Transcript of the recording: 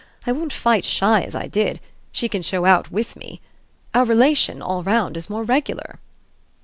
I won't fight shy as I did she can show out WITH me. Our relation, all round, is more regular."